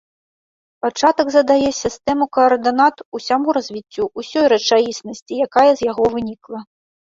Пачатак задае сістэму каардынат усяму развіццю, усёй рэчаіснасці, якая з яго вынікла.